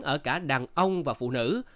ở cả đàn ông và phụ nữ